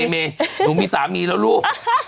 เมย์หนูมีสามีแล้วลูก